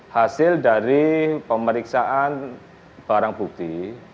hasil dari pemeriksaan barang bukti